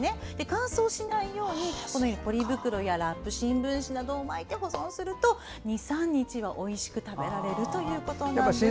乾燥しないようにポリ袋やら新聞紙などでを巻いて保存すると２３日はおいしく食べられるということなんです。